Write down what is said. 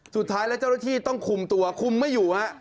สุดท้ายแล้วเจ้าหน้าที่ต้องคุมตัวคุมไม่อยู่ฮะ